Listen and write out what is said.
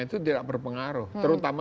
itu tidak berpengaruh terutama